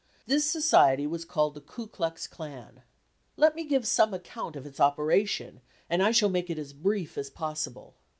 This society was called the "Ku Klux Klan." Let me give some account of its operation, and I shall make it as brief as possible.